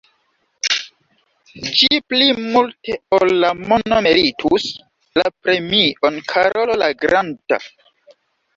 Ĝi pli multe ol la mono meritus la premion Karolo la Granda.